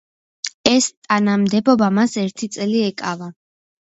ეს ტანამდებობა მას ერთი წელი ეკავა.